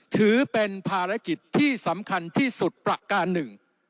ถือเป็นภารกิจที่สำคัญที่สุดประการหนึ่ง